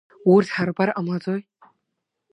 Урҭ ҳарбар ҟамлаӡои?